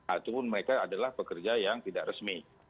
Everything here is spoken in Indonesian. ataupun mereka adalah pekerja yang tidak resmi